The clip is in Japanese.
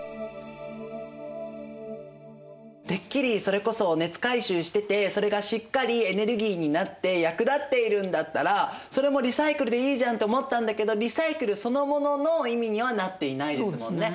てっきりそれこそ熱回収しててそれがしっかりエネルギーになって役立っているんだったらそれもリサイクルでいいじゃんって思ったんだけどリサイクルそのものの意味にはなっていないですもんね。